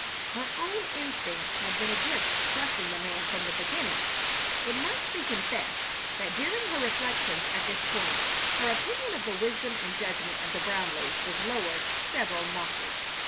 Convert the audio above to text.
Her own instincts had been against trusting the man from the beginning. It must be confessed that during her reflections at this point her opinion of the wisdom and judgment of the Brownleighs was lowered several notches.